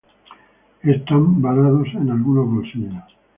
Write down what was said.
Están varados en algunos bolsillos.